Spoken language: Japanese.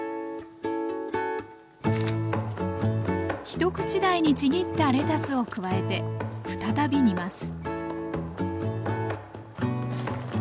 一口大にちぎったレタスを加えて再び煮ます